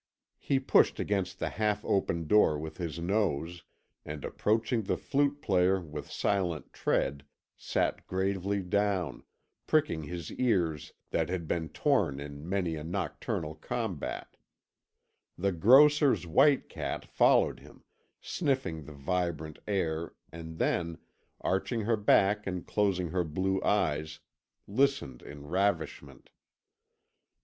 He pushed against the half open door with his nose and approaching the flute player with silent tread, sat gravely down, pricking his ears that had been torn in many a nocturnal combat; the grocer's white cat followed him, sniffing the vibrant air and then, arching her back and closing her blue eyes, listened in ravishment.